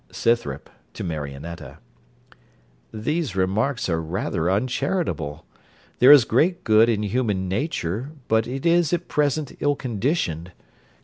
SCYTHROP (to Marionetta) These remarks are rather uncharitable. There is great good in human nature, but it is at present ill conditioned.